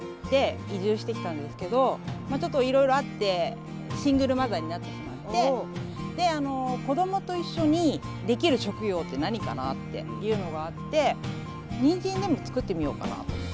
移住してきたんですけどちょっといろいろあってシングルマザーになってしまって子どもと一緒にできる職業って何かなっていうのがあってにんじんでも作ってみようかなと。